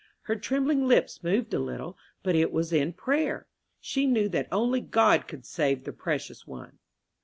Her trembling lips moved a little, but it was in prayer; she knew that only God could save the precious one.